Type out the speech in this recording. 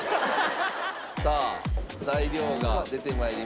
さあ材料が出て参りました。